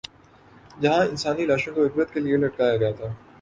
جہاں انسانی لاشوں کو عبرت کے لیے لٹکایا گیا تھا۔